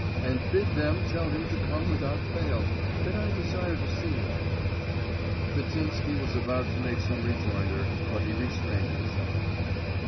And bid them tell him to come without fail, that I desire to see him.' Kvitsinsky was about to make some rejoinder, but he restrained himself.